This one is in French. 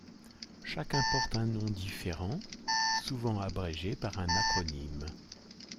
Chacun porte un nom différent souvent abrégé par un acronyme.